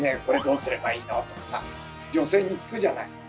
これどうすればいいの？」とかさ女性に聞くじゃない。